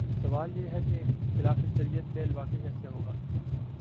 سوال یہ ہے کہ ایک خلاف شریعت فعل واقع کیسے ہوگا؟